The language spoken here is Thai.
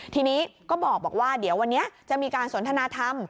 ทีนี้ก็บอกว่าเดี๋ยววันนี้จะมีการสนทนาธรรม